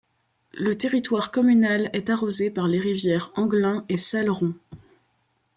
Le territoire communal est arrosé par les rivières Anglin et Salleron.